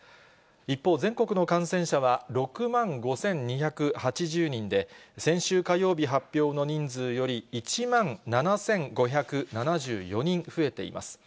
一方、全国の感染者は６万５２８０人で、先週火曜日発表の人数より１万７５７４人増えています。